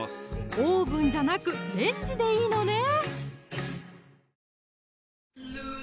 オーブンじゃなくレンジでいいのねー！